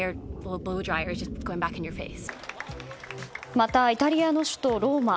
また、イタリアの首都ローマ。